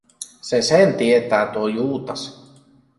Se sen tietää, tuo Juutas.